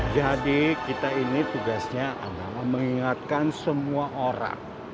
jadi kita ini tugasnya adalah mengingatkan semua orang